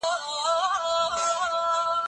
هره ورځ نوې زده کړې ستا شخصیت قوي کوي.